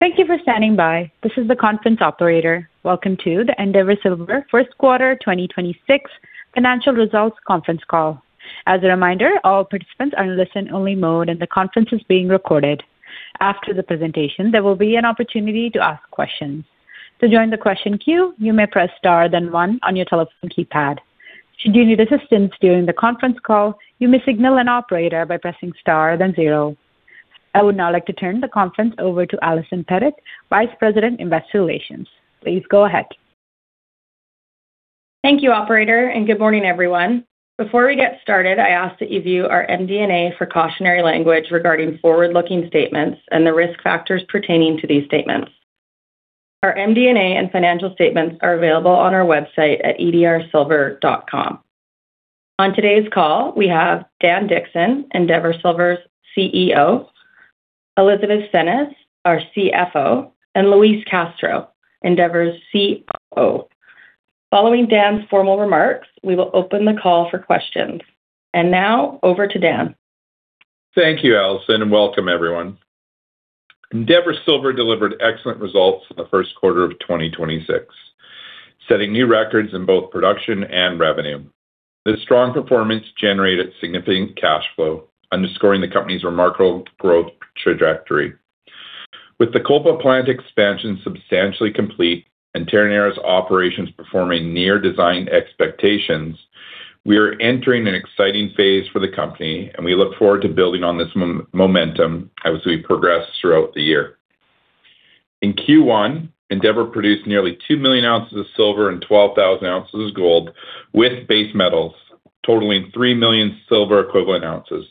Thank you for standing by. This is the conference operator. Welcome to the Endeavour Silver First Quarter 2026 Financial Results Conference Call. As a reminder, all participants are in listen only mode, and the conference is being recorded. After the presentation, there will be an opportunity to ask questions. To join the question queue, you may press star then one on your telephone keypad. Should you need assistance during the conference call, you may signal an operator by pressing star then zero. I would now like to turn the conference over to Allison Pettit, Vice President of Investor Relations. Please go ahead. Thank you, operator, and good morning, everyone. Before we get started, I ask that you view our MD&A for cautionary language regarding forward-looking statements and the risk factors pertaining to these statements. Our MD&A and financial statements are available on our website at edrsilver.com. On today's call, we have Dan Dickson, Endeavour Silver's CEO, Elizabeth Senez, our CFO, and Luis Castro, Endeavour's COO. Following Dan's formal remarks, we will open the call for questions. Now over to Dan. Thank you, Allison, and welcome everyone. Endeavour Silver delivered excellent results in the first quarter of 2026, setting new records in both production and revenue. This strong performance generated significant cash flow, underscoring the company's remarkable growth trajectory. With the Kolpa plant expansion substantially complete and Terronera's operations performing near design expectations, we are entering an exciting phase for the company, and we look forward to building on this momentum as we progress throughout the year. In Q1, Endeavour produced nearly 2 million ounces of silver and 12,000 ounces of gold with base metals totaling 3 million silver equivalent ounces.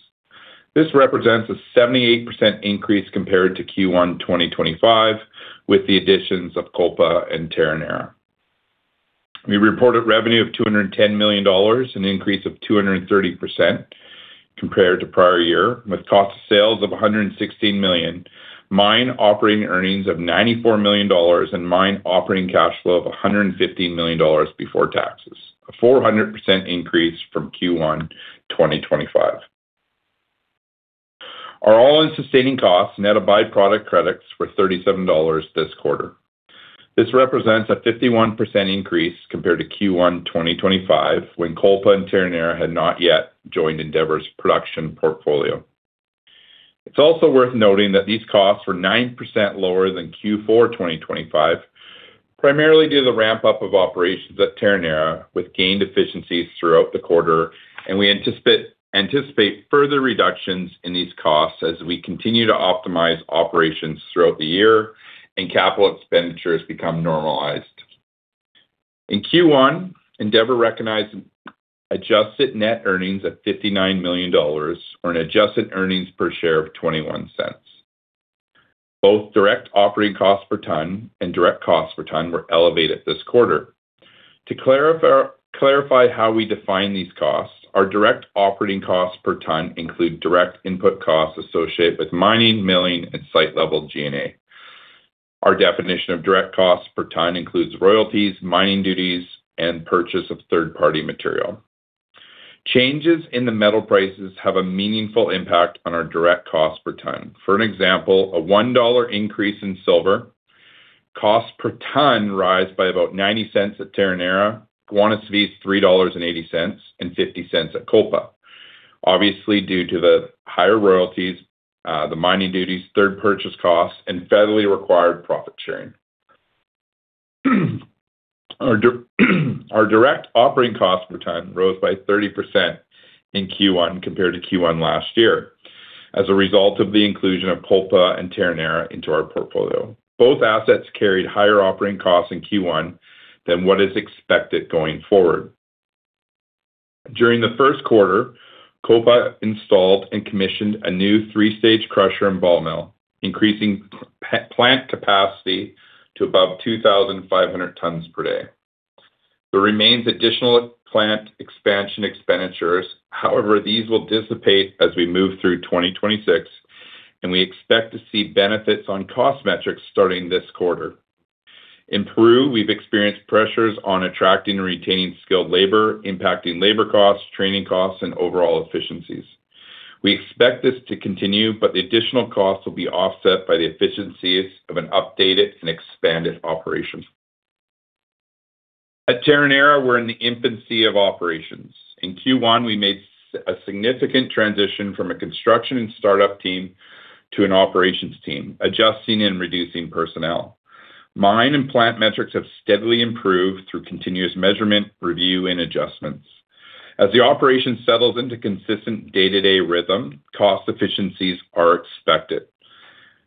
This represents a 78% increase compared to Q1 2025 with the additions of Kolpa and Terronera. We reported revenue of $210 million, an increase of 230% compared to prior year, with cost of sales of $116 million, mine operating earnings of $94 million, and mine operating cash flow of $115 million before taxes, a 400% increase from Q1 2025. Our all-in sustaining costs net of byproduct credits were $37 this quarter. This represents a 51% increase compared to Q1 2025 when Kolpa and Terronera had not yet joined Endeavour's production portfolio. It's also worth noting that these costs were 9% lower than Q4 2025, primarily due to the ramp-up of operations at Terronera with gained efficiencies throughout the quarter, and we anticipate further reductions in these costs as we continue to optimize operations throughout the year and capital expenditures become normalized. In Q1, Endeavour recognized adjusted net earnings of $59 million or an adjusted earnings per share of $0.21. Both direct operating costs per ton and direct costs per ton were elevated this quarter. To clarify how we define these costs, our direct operating costs per ton include direct input costs associated with mining, milling, and site level G&A. Our definition of direct costs per ton includes royalties, mining duties, and purchase of third-party material. Changes in the metal prices have a meaningful impact on our direct cost per ton. For an example, a $1 increase in silver, cost per ton rise by about $0.90 at Terronera, Guanaceví's $3.80, and $0.50 at Kolpa obviously due to the higher royalties, the mining duties, third purchase costs, and federally required profit sharing. Our direct operating costs per ton rose by 30% in Q1 compared to Q1 last year as a result of the inclusion of Kolpa and Terronera into our portfolio. Both assets carried higher operating costs in Q1 than what is expected going forward. During the first quarter, Kolpa installed and commissioned a new three-stage crusher and ball mill, increasing plant capacity to above 2,500 tons per day. There remains additional plant expansion expenditures. These will dissipate as we move through 2026, and we expect to see benefits on cost metrics starting this quarter. In Peru, we've experienced pressures on attracting and retaining skilled labor, impacting labor costs, training costs, and overall efficiencies. We expect this to continue, the additional costs will be offset by the efficiencies of an updated and expanded operation. At Terronera, we're in the infancy of operations. In Q1, we made a significant transition from a construction and startup team to an operations team, adjusting and reducing personnel. Mine and plant metrics have steadily improved through continuous measurement, review, and adjustments. As the operation settles into consistent day-to-day rhythm, cost efficiencies are expected.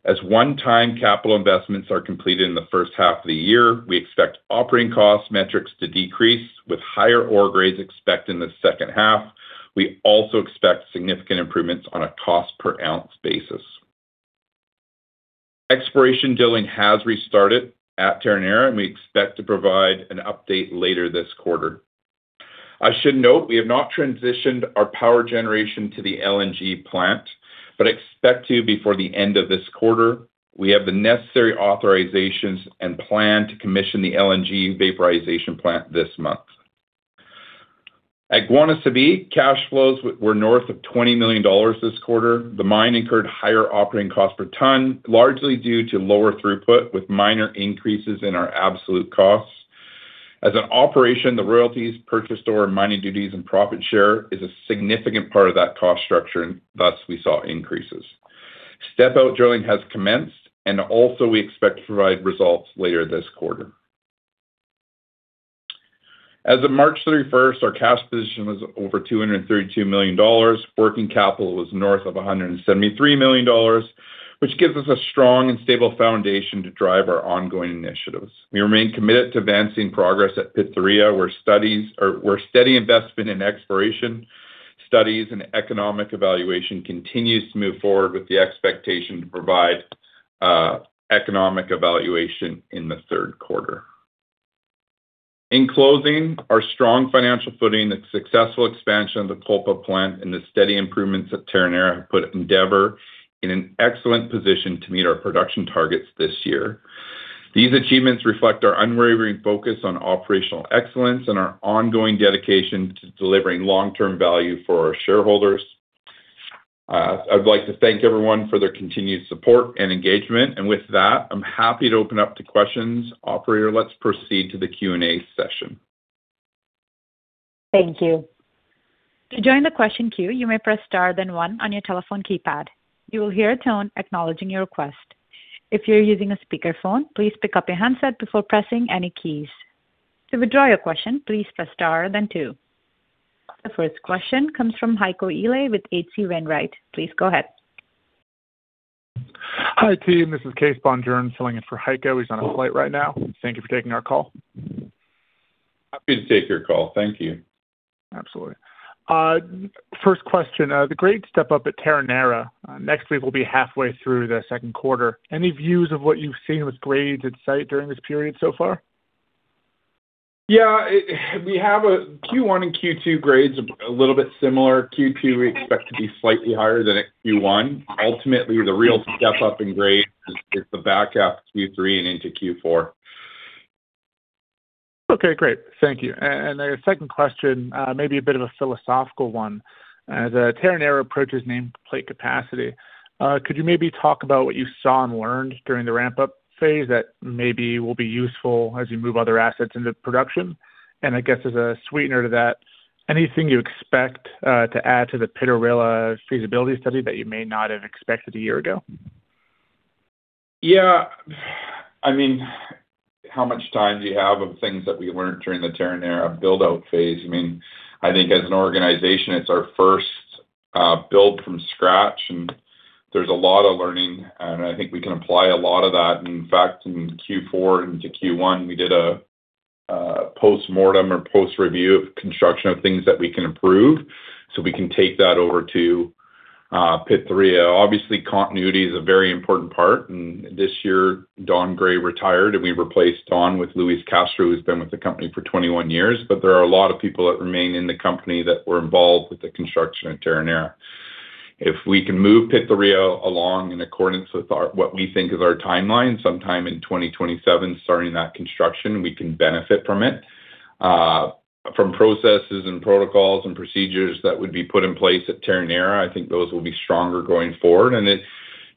As one-time capital investments are completed in the 1st half of the year, we expect operating cost metrics to decrease with higher ore grades expected in the second half. We also expect significant improvements on a cost per ounce basis. Exploration drilling has restarted at Terronera, and we expect to provide an update later this quarter. I should note we have not transitioned our power generation to the LNG plant but expect to before the end of this quarter. We have the necessary authorizations and plan to commission the LNG vaporization plant this month. At Guanaceví, cash flows were north of $20 million this quarter. The mine incurred higher operating costs per ton, largely due to lower throughput with minor increases in our absolute costs. As an operation, the royalties purchased or mining duties and profit share is a significant part of that cost structure, and thus we saw increases. Step out drilling has commenced, and also we expect to provide results later this quarter. As of March 31st, our cash position was over $232 million. Working capital was north of $173 million, which gives us a strong and stable foundation to drive our ongoing initiatives. We remain committed to advancing progress at Pitarrilla, where steady investment in exploration studies and economic evaluation continues to move forward with the expectation to provide economic evaluation in the third quarter. In closing, our strong financial footing, the successful expansion of the Kolpa plant, and the steady improvements at Terronera have put Endeavour in an excellent position to meet our production targets this year. These achievements reflect our unwavering focus on operational excellence and our ongoing dedication to delivering long-term value for our shareholders. I'd like to thank everyone for their continued support and engagement. With that, I'm happy to open up to questions. Operator, let's proceed to the Q&A session. Thank you. To join the question queue, you may press star then one on your telephone keypad. You will hear a tone acknowledging your request. If you're using a speakerphone, please pick up your handset before pressing any keys. To withdraw your question, please press star then two. The first question comes from Heiko Ihle with HC Wainwright. Please go ahead. Hi, team. This is [Kevan Jern] filling in for Heiko Ihle. He's on a flight right now. Thank you for taking our call. Happy to take your call. Thank you. Absolutely. First question. The grade step up at Terronera. Next week will be halfway through the second quarter. Any views of what you've seen with grades at site during this period so far? Yeah, we have Q1 and Q2 grades a little bit similar. Q2 we expect to be slightly higher than at Q1. Ultimately, the real step up in grades is the back half, Q3 and into Q4. Okay, great. Thank you. Then a second question, maybe a bit of a philosophical one. As Terronera approaches nameplate capacity, could you maybe talk about what you saw and learned during the ramp-up phase that maybe will be useful as you move other assets into production? I guess as a sweetener to that, anything you expect to add to the Pitarrilla feasibility study that you may not have expected a year ago? I mean, how much time do you have of things that we learned during the Terronera build-out phase? I mean, I think as an organization, it's our first build from scratch, and there's a lot of learning, and I think we can apply a lot of that. In fact, in Q4 into Q1, we did a postmortem or post-review of construction of things that we can improve, so we can take that over to Pitarrilla. Obviously, continuity is a very important part. This year, Don Gray retired, and we replaced Don with Luis Castro, who's been with the company for 21 years. There are a lot of people that remain in the company that were involved with the construction at Terronera. If we can move Pitarrilla along in accordance with our, what we think is our timeline, sometime in 2027, starting that construction, we can benefit from it. From processes and protocols and procedures that would be put in place at Terronera, I think those will be stronger going forward. It's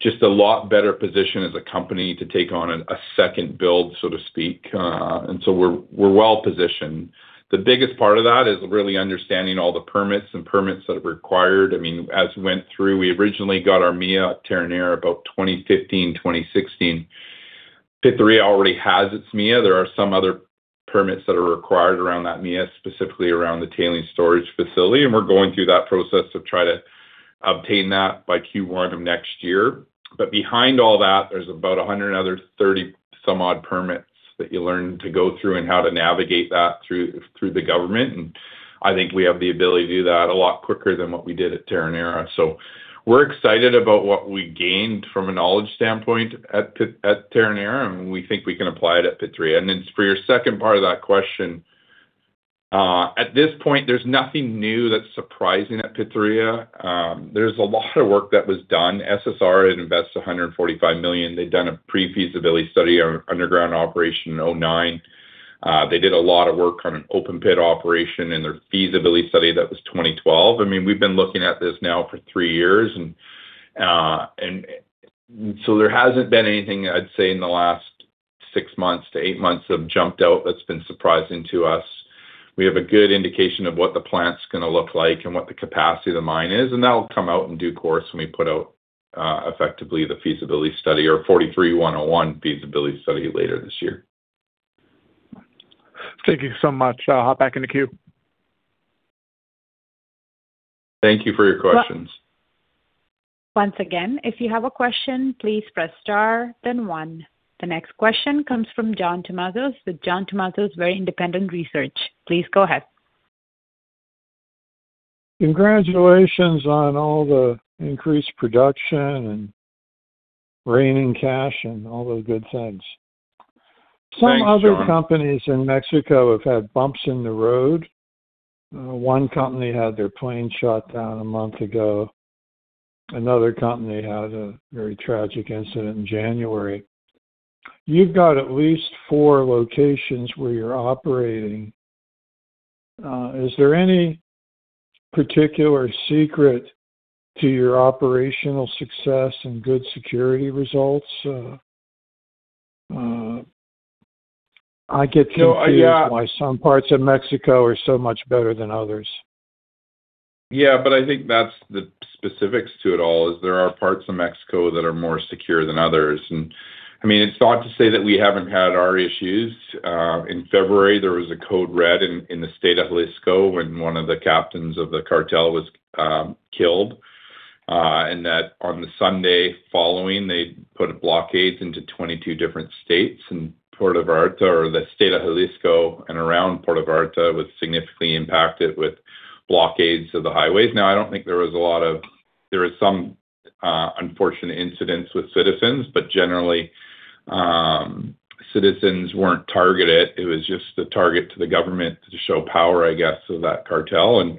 just a lot better position as a company to take on a second build, so to speak. We're well-positioned. The biggest part of that is really understanding all the permits and permits that are required. I mean, as we went through, we originally got our MIA at Terronera about 2015, 2016. Pitarrilla already has its MIA. There are some other permits that are required around that MIA, specifically around the tailing storage facility, and we're going through that process to try to obtain that by Q1 of next year. Behind all that, there's about 130 some odd permits that you learn to go through and how to navigate that through the government. I think we have the ability to do that a lot quicker than what we did at Terronera. We're excited about what we gained from a knowledge standpoint at Terronera, and we think we can apply it at Pitarrilla. For your second part of that question, at this point, there's nothing new that's surprising at Pitarrilla. There's a lot of work that was done. SSR had invested $145 million. They'd done a pre-feasibility study on underground operation in 2009. They did a lot of work on an open pit operation in their feasibility study that was 2012. I mean, we've been looking at this now for three years. There hasn't been anything I'd say in the last six months to eight months that have jumped out that's been surprising to us. We have a good indication of what the plant's gonna look like and what the capacity of the mine is, and that'll come out in due course when we put out effectively the feasibility study or 43-101 feasibility study later this year. Thank you so much. I'll hop back in the queue. Thank you for your questions. Once again, if you have a question, please press star then one. The next question comes from John Tumazos with John Tumazos Very Independent Research. Please go ahead. Congratulations on all the increased production and reigning cash and all the good things. Thanks, John. Some other companies in Mexico have had bumps in the road. One company had their plane shot down a month ago. Another company had a very tragic incident in January. You've got at least four locations where you're operating. Is there any particular secret to your operational success and good security results? No, yeah. Confused why some parts of Mexico are so much better than others. Yeah, I think that's the specifics to it all is there are parts of Mexico that are more secure than others. I mean, it's not to say that we haven't had our issues. In February, there was a code red in the state of Jalisco when one of the captains of the cartel was killed. That on the Sunday following, they put blockades into 22 different states in Puerto Vallarta or the state of Jalisco and around Puerto Vallarta was significantly impacted with blockades of the highways. Now, I don't think there was some unfortunate incidents with citizens, generally, citizens weren't targeted. It was just the target to the government to show power, I guess, of that cartel.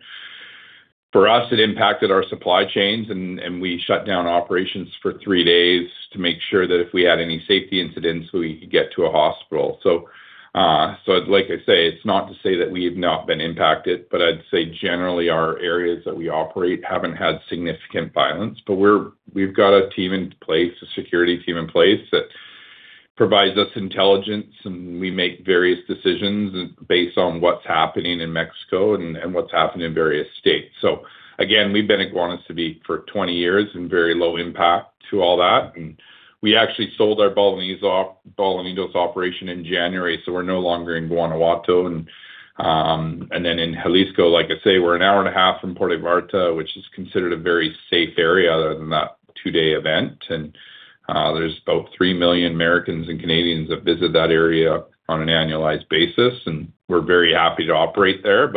For us, it impacted our supply chains and we shut down operations for three days to make sure that if we had any safety incidents, we could get to a hospital. Like I say, it's not to say that we've not been impacted, but I'd say generally our areas that we operate haven't had significant violence. We've got a team in place, a security team in place that provides us intelligence, and we make various decisions based on what's happening in Mexico and what's happening in various states. Again, we've been at Guanaceví for 20 years and very low impact to all that. We actually sold our Bolañitos operation in January, so we're no longer in Guanajuato. In Jalisco, like I say, we're 1.5 hours from Puerto Vallarta, which is considered a very safe area other than that two-day event. There's about 3 million Americans and Canadians that visit that area on an annualized basis, and we're very happy to operate there.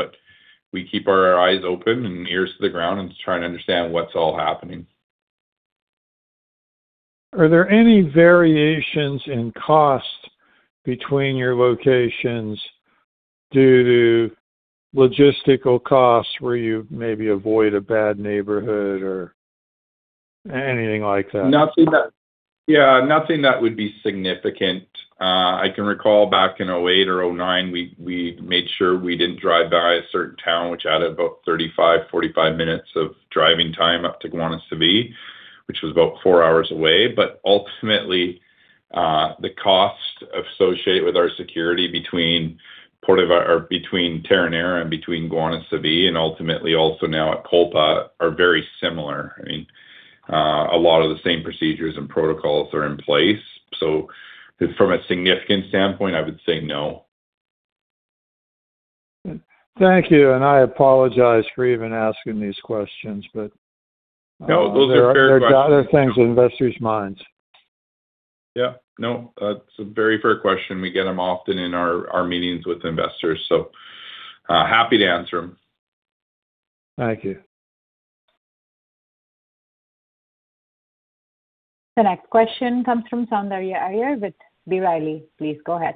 We keep our eyes open and ears to the ground and try to understand what's all happening. Are there any variations in cost between your locations due to logistical costs where you maybe avoid a bad neighborhood or anything like that? Nothing that would be significant. I can recall back in 2008 or 2009, we made sure we didn't drive by a certain town, which added about 35, 45 minutes of driving time up to Guanaceví, which was about four hours away. Ultimately, the cost associated with our security between Terronera and between Guanaceví and ultimately also now at Kolpa are very similar. I mean, a lot of the same procedures and protocols are in place. From a significant standpoint, I would say no. Thank you. I apologize for even asking these questions, but. No, those are fair questions. There are other things in investors' minds. Yeah. No, that's a very fair question. We get them often in our meetings with investors, happy to answer them. Thank you. The next question comes from Soundarya Iyer with B Riley. Please go ahead.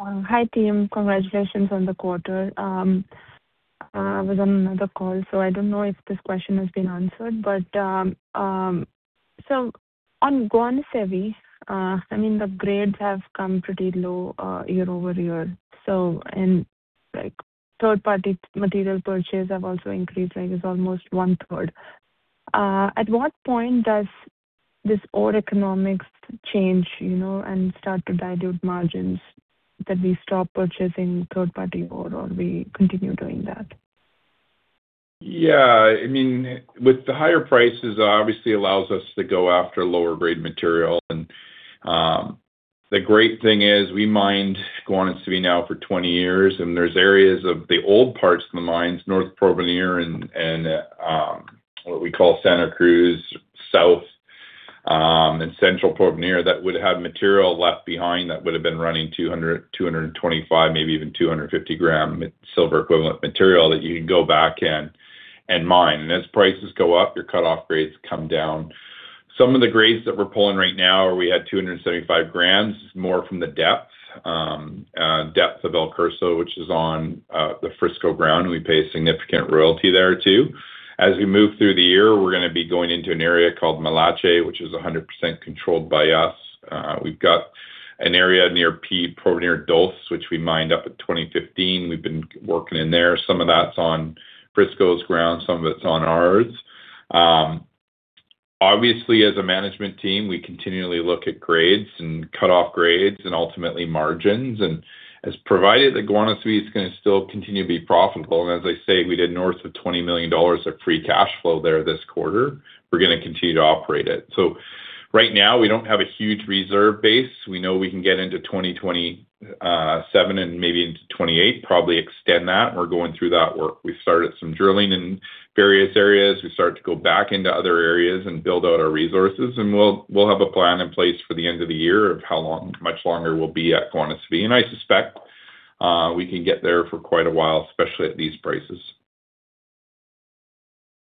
Hi, team. Congratulations on the quarter. I was on another call, so I don't know if this question has been answered. On Guanaceví, I mean, the grades have come pretty low, year-over-year. Like third-party material purchase have also increased, like it's almost 1/3. At what point does this ore economics change, you know, and start to dilute margins that we stop purchasing third-party ore, or we continue doing that? I mean, with the higher prices, obviously allows us to go after lower grade material. The great thing is we mined Guanaceví now for 20 years, and there's areas of the old parts of the mines, North Porvenir and, what we call Santa Cruz South, and Central Porvenir, that would have material left behind that would have been running 200, 225, maybe even 250 g silver equivalent material that you can go back in and mine. As prices go up, your cutoff grades come down. Some of the grades that we're pulling right now are we had 275 g, more from the depth of El Curso, which is on the Frisco ground, and we pay a significant royalty there too. As we move through the year, we're gonna be going into an area called Milache, which is 100% controlled by us. We've got an area near Porvenir Dos, which we mined up at 2015. We've been working in there. Some of that's on Frisco's ground, some of it's on ours. Obviously, as a management team, we continually look at grades and cutoff grades and ultimately margins. As provided, the Guanaceví is gonna still continue to be profitable. As I say, we did north of $20 million of free cash flow there this quarter. We're gonna continue to operate it. Right now, we don't have a huge reserve base. We know we can get into 2027 and maybe into 2028, probably extend that. We're going through that work. We started some drilling in various areas. We started to go back into other areas and build out our resources, we'll have a plan in place for the end of the year of how long, much longer we'll be at Guanaceví. I suspect we can get there for quite a while, especially at these prices.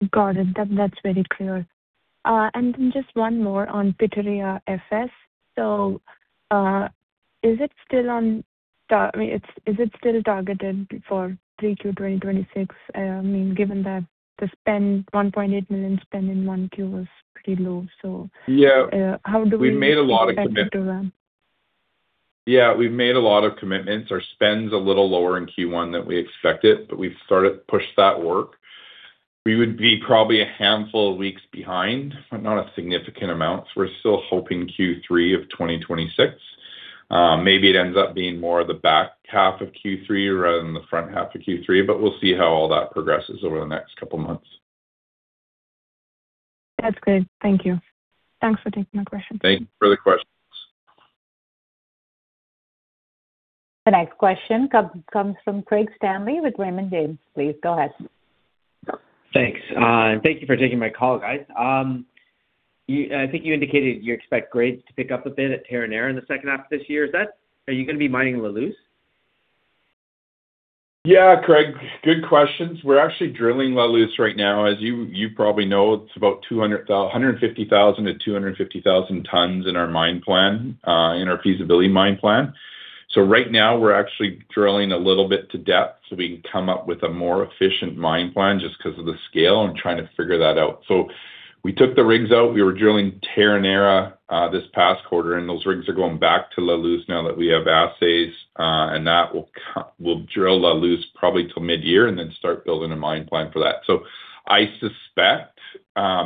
Got it. That's very clear. Then just one more on Pitarrilla FS. I mean, is it still targeted for 3Q 2026? I mean, given that the spend, $1.8 million spend in 1Q was pretty low. Yeah. How do we? We've made a lot of commit. Stick to that? Yeah, we've made a lot of commitments. Our spend's a little lower in Q1 than we expected, but we've started to push that work. We would be probably a handful of weeks behind, but not a significant amount, so we're still hoping Q3 of 2026. Maybe it ends up being more the back half of Q3 rather than the front half of Q3, but we'll see how all that progresses over the next couple months. That's good. Thank you. Thanks for taking my question. Thank you for the questions. The next question comes from Craig Stanley with Raymond James. Please go ahead. Thanks. Thank you for taking my call, guys. I think you indicated you expect grades to pick up a bit at Terronera in the second half of this year. Are you gonna be mining La Luz? Yeah, Craig. Good questions. We're actually drilling La Luz right now. As you probably know, it's about 150,000-250,000 tons in our mine plan, in our feasibility mine plan. Right now we're actually drilling a little bit to depth so we can come up with a more efficient mine plan just 'cause of the scale and trying to figure that out. We took the rigs out. We were drilling Terronera this past quarter, and those rigs are going back to La Luz now that we have assays, and that will drill La Luz probably till midyear and then start building a mine plan for that. I suspect,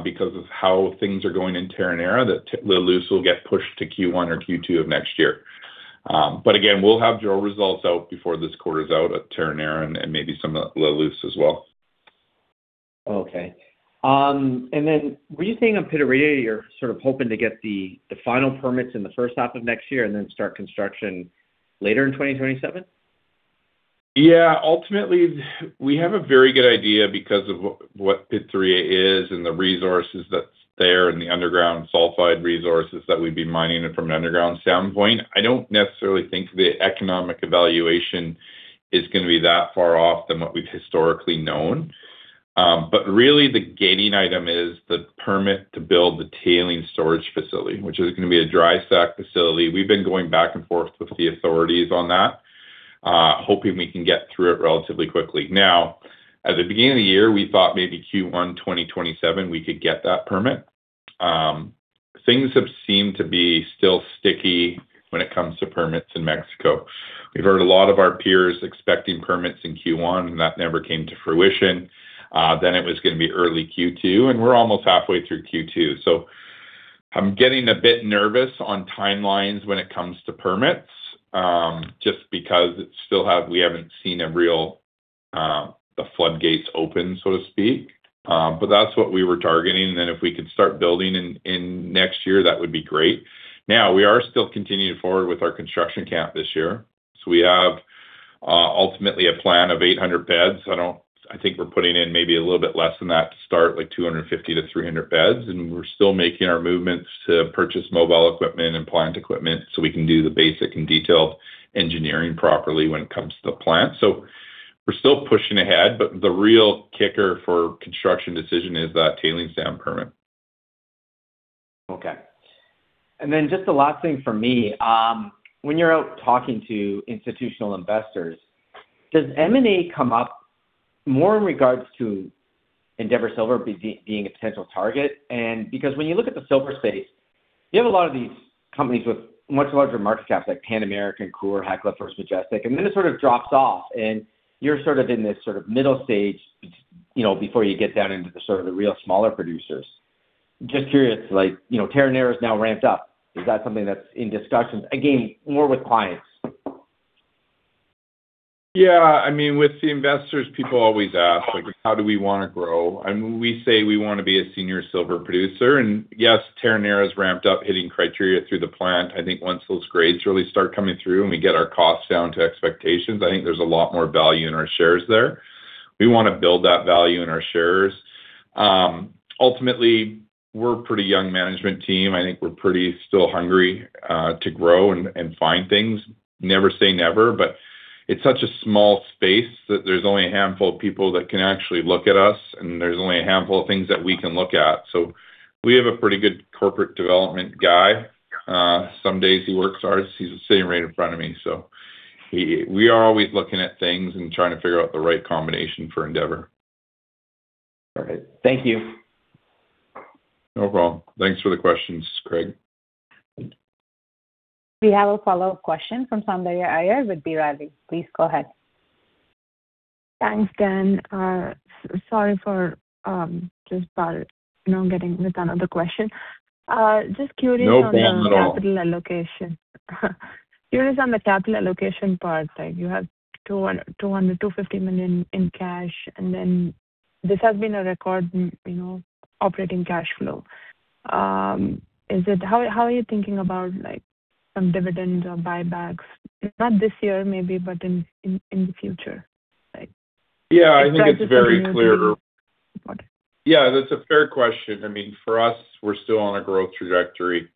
because of how things are going in Terronera, that La Luz will get pushed to Q1 or Q2 of next year. Again, we'll have drill results out before this quarter's out at Terronera and maybe some at La Luz as well. Okay. Were you saying on Pitarrilla you're sort of hoping to get the final permits in the first half of next year and then start construction later in 2027? Yeah. Ultimately, we have a very good idea because of what Pitarrilla is and the resources that's there and the underground sulfide resources that we'd be mining it from an underground standpoint. I don't necessarily think the economic evaluation is gonna be that far off than what we've historically known. But really the gaining item is the permit to build the tailing storage facility, which is gonna be a dry stack facility. We've been going back and forth with the authorities on that, hoping we can get through it relatively quickly. Now, at the beginning of the year, we thought maybe Q1 2027 we could get that permit. Things have seemed to be still sticky when it comes to permits in Mexico. We've heard a lot of our peers expecting permits in Q1, and that never came to fruition. It was gonna be early Q2, and we're almost halfway through Q2. I'm getting a bit nervous on timelines when it comes to permits, just because we haven't seen a real, the floodgates open, so to speak. That's what we were targeting. If we could start building in next year, that would be great. Now, we are still continuing forward with our construction camp this year. We have, ultimately a plan of 800 beds. I think we're putting in maybe a little bit less than that to start, like 250-300 beds, and we're still making our movements to purchase mobile equipment and plant equipment, so we can do the basic and detailed engineering properly when it comes to the plant. We're still pushing ahead, but the real kicker for construction decision is that tailings dam permit. Okay. Then just the last thing for me. When you're out talking to institutional investors, does M&A come up more in regards to Endeavour Silver being a potential target? Because when you look at the silver space, you have a lot of these companies with much larger market caps like Pan American, Coeur, Hecla, First Majestic, and then it sort of drops off. You're sort of in this sort of middle stage, you know, before you get down into the sort of the real smaller producers. Just curious, like, you know, Terronera's now ramped up. Is that something that's in discussions? Again, more with clients. Yeah. I mean, with the investors, people always ask, like, how do we wanna grow? We say we wanna be a senior silver producer. Yes, Terronera's ramped up hitting criteria through the plant. I think once those grades really start coming through and we get our costs down to expectations, I think there's a lot more value in our shares there. We wanna build that value in our shares. Ultimately, we're a pretty young management team. I think we're pretty still hungry to grow and find things. Never say never, it's such a small space that there's only a handful of people that can actually look at us, and there's only a handful of things that we can look at. We have a pretty good corporate development guy. Some days he works hard. He's sitting right in front of me, so we are always looking at things and trying to figure out the right combination for Endeavour Silver. All right. Thank you. No problem. Thanks for the questions, Craig. We have a follow-up question from Soundarya Iyer with B Riley. Please go ahead. Thanks, Dan. sorry for just butting, you know, getting with another question. Just curious on the. No problem at all. Capital allocation. Curious on the capital allocation part. Like, you have $250 million in cash, and then this has been a record, you know, operating cash flow. How are you thinking about, like, some dividends or buybacks? Not this year maybe, but in, in the future. Yeah, I think it's very clear. The prices are beginning to be important. Yeah, that's a fair question. I mean, for us, we're still on a growth trajectory.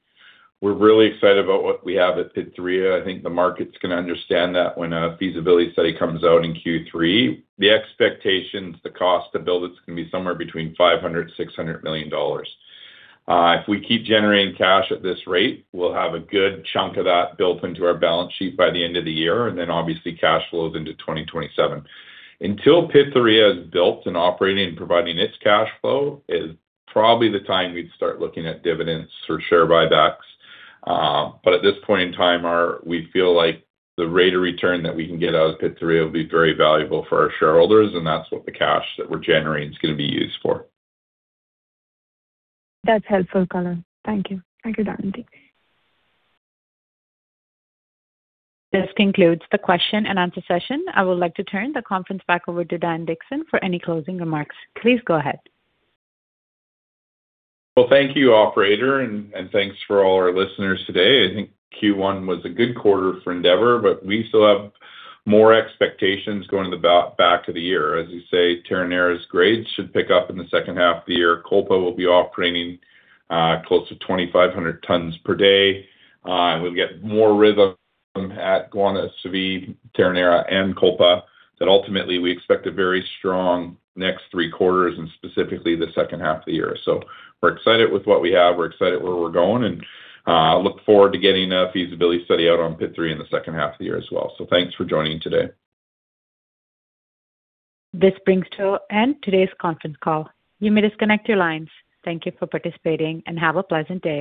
We're really excited about what we have at Pitarrilla. I think the markets can understand that when a feasibility study comes out in Q3. The expectations, the cost to build it is gonna be somewhere between $500 million-$600 million. If we keep generating cash at this rate, we'll have a good chunk of that built into our balance sheet by the end of the year, and then obviously cash flows into 2027. Until Pitarrilla is built and operating and providing its cash flow is probably the time we'd start looking at dividends or share buybacks. At this point in time, we feel like the rate of return that we can get out of Pitarrilla will be very valuable for our shareholders, and that's what the cash that we're generating is gonna be used for. That's helpful, color. Thank you. Thank you, Dan. Thank you. This concludes the question and answer session. I would like to turn the conference back over to Dan Dickson for any closing remarks. Please go ahead. Thank you, operator, and thanks for all our listeners today. I think Q1 was a good quarter for Endeavour, but we still have more expectations going to the back of the year. As we say, Terronera's grades should pick up in the second half of the year. Kolpa will be operating close to 2,500 tons per day. We'll get more rhythm at Guanaceví, Terronera, and Kolpa. Ultimately, we expect a very strong next three quarters and specifically the second half of the year. We're excited with what we have, we're excited where we're going, and look forward to getting a feasibility study out on Pitarrilla in the second half of the year as well. Thanks for joining today. This brings to an end today's conference call. You may disconnect your lines. Thank you for participating, and have a pleasant day.